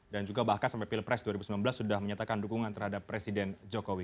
dan juga bahkan sampai pilpres dua ribu sembilan belas sudah menyatakan dukungan terhadap presiden jokowi